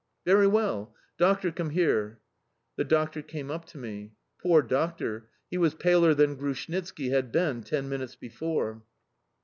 "Very well. Doctor, come here!" The doctor came up to me. Poor doctor! He was paler than Grushnitski had been ten minutes before.